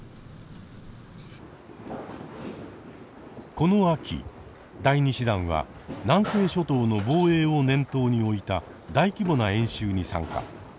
この秋第２師団は南西諸島の防衛を念頭に置いた大規模な演習に参加。